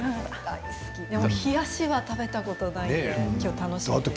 でも冷やしは食べたことがないので楽しみです。